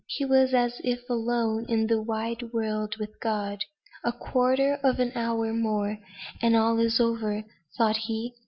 He was as if alone in the wide world with God. "A quarter of an hour more and all is over," thought he.